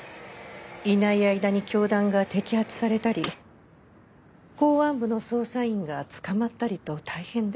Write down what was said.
いない間に教団が摘発されたり公安部の捜査員が捕まったりと大変で。